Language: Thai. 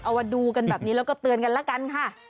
เอามาดูกันแบบนี้แล้วก็เตือนกันแล้วกันค่ะ